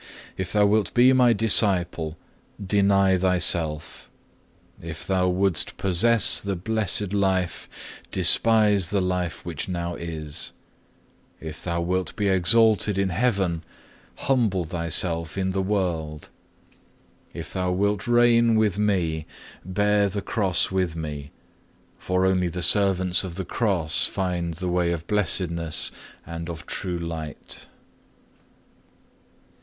If thou wilt be My disciple, deny thyself. If thou wouldst possess the blessed life, despise the life which now is. If thou wilt be exalted in heaven, humble thyself in the world. If thou wilt reign with Me, bear the cross with Me; for only the servants of the cross find the way of blessedness and of true light."